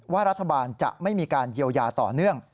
ว่ารัฐบาลจะไม่มีการเยียวยาต่อเนื่อง